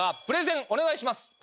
プレゼンお願いします。